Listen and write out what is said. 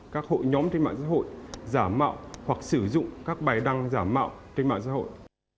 các hội nhóm trên mạng xã hội giả mạo hoặc sử dụng các bài đăng giả mạo trên mạng xã hội